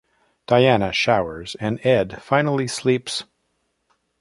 Diana showers and Ed finally sleeps.